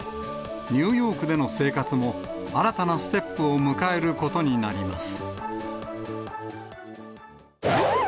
ニューヨークでの生活も新たなステップを迎えることになります。